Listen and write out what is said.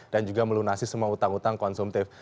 dan juga melunasi semua utang utang konsumtif